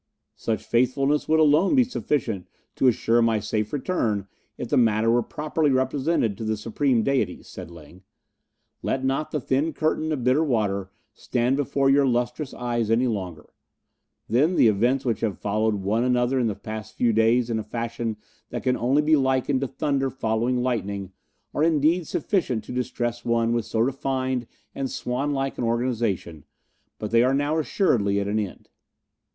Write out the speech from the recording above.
"Such faithfulness would alone be sufficient to assure my safe return if the matter were properly represented to the supreme Deities," said Ling. "Let not the thin curtain of bitter water stand before your lustrous eyes any longer, then, the events which have followed one another in the past few days in a fashion that can only be likened to thunder following lightning are indeed sufficient to distress one with so refined and swan like an organization, but they are now assuredly at an end."